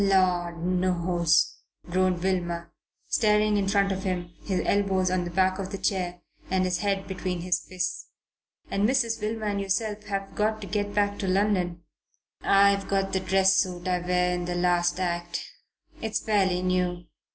"Lord knows," groaned Wilmer, staring in front of him, his elbows on the back of the chair and his head between his fists. "And Mrs. Wilmer and yourself have got to get back to London." "I've got the dress suit I wear in the last act. It's fairly new.